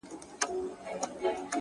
• ستا د يادو لپاره؛